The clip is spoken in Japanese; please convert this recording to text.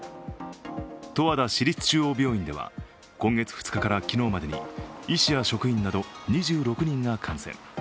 十和田市立中央病院では、今月２日から昨日までに医師や職員など２６人が感染。